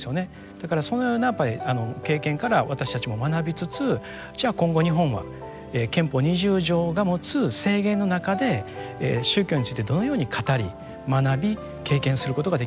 だからそのようなやっぱり経験から私たちも学びつつじゃあ今後日本は憲法二十条が持つ制限の中で宗教についてどのように語り学び経験することができるのか。